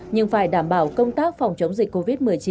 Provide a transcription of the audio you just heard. nhưng phải đảm bảo công tác phòng chống dịch covid một mươi chín